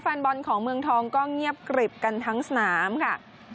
แฟนบอลของเมืองทองก็เงียบกริบกันทั้งสนามค่ะ